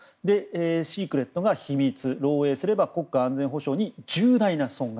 シークレットが秘密漏洩すれば国家安全保障に重大な損害。